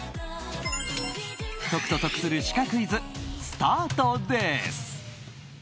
解くと得するシカクイズスタートです。